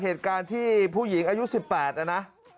เหตุการณ์ที่ผู้หญิงอายุ๑๘นะนะ